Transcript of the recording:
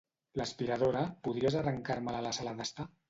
L'aspiradora, podries arrancar-me-la a la sala d'estar?